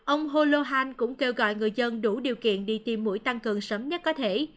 ông holohan cũng kêu gọi người dân đủ điều kiện đi tiêm mũi tăng cường sớm nhất có thể